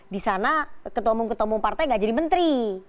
di sana ketua umum ketua umum partai gak jadi menteri